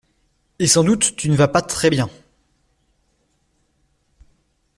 Et sans doute tu ne vas pas très bien.